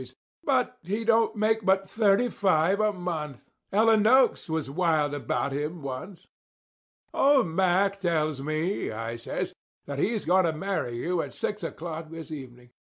But he don't make but thirty five a month. Ella Noakes was wild about him once." "Old Mack tells me," I says, "that he's going to marry you at six o'clock this evening."